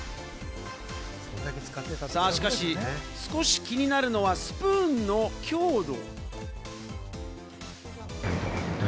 しかし、少し気になるのはスプーンの強度。